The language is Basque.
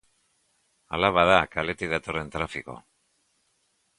Hala bada, kaletik datorren trafiko.